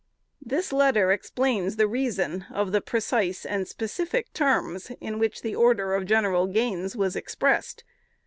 This letter explains the reason of the precise and specific terms in which the order of General Gaines was expressed.